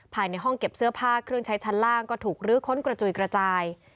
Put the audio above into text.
ภายในห้องเก็บเสื้อผ้าเครื่องใช้ชั้นล่างก็ถูกลื้อค้นกระจุยกระจาย